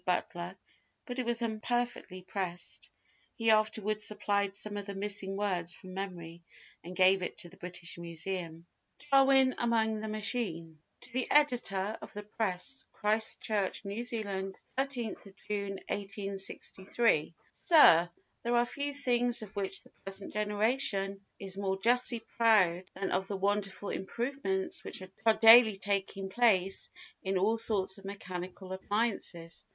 Butler, but it was imperfectly pressed; he afterwards supplied some of the missing words from memory, and gave it to the British Museum. Darwin among the Machines [To the Editor of the Press, Christchurch, New Zealand—13 June, 1863.] Sir—There are few things of which the present generation is more justly proud than of the wonderful improvements which are daily taking place in all sorts of mechanical appliances.